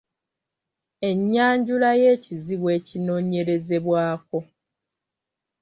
Ennyanjula y’ekizibu ekinoonyerezebwako.